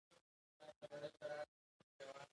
معمولاً پانګوال له دوو لارو خپله پانګه صادروي